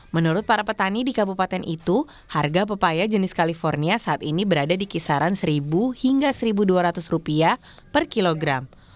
menurut para petani di kabupaten itu harga pepaya jenis california saat ini berada di kisaran rp satu hingga rp satu dua ratus per kilogram